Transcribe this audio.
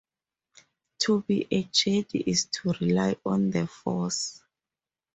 To be a Jedi is to rely on the Force.